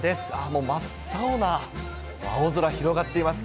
もう真っ青な青空広がっています。